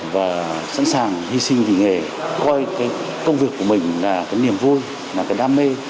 và sẵn sàng hy sinh vì nghề coi công việc của mình là niềm vui là đam mê